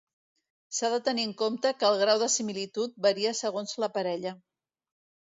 S’ha de tenir en compte que el grau de similitud varia segons la parella.